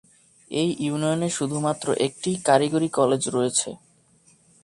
এই ইউনিয়নে শুধু মাত্র একটি কারিগরি কলেজ রয়েছে।